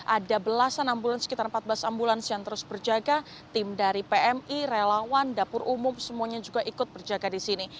ada belasan ambulans sekitar empat belas ambulans yang terus berjaga tim dari pmi relawan dapur umum semuanya juga ikut berjaga di sini